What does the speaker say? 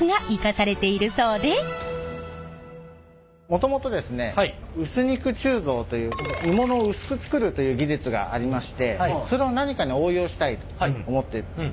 もともと薄肉鋳造という鋳物を薄く作るという技術がありましてそれを何かに応用したいと思ってえ。